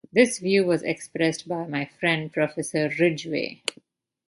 This view was expressed by my friend Professor Ridgeway.